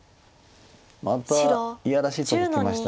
またいやらしいとこきました。